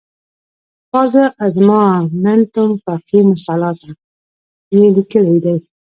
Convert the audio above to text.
"فاذا اظماننتم فاقیموالصلواته" یې لیکلی دی.